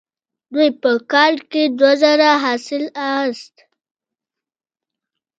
دوی په کال کې دوه ځله حاصل اخیست.